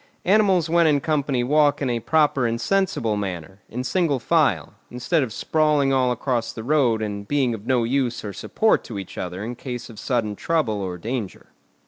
Animals when in company walk in a proper and sensible manner, in single file, instead of sprawling all across the road and being of no use or support to each other in case of sudden trouble or danger.